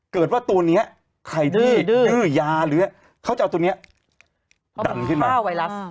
เกิดว่าตัวนี้ไข้ที่ดื้อยาเขาจะเอาตัวนี้ดันขึ้นมา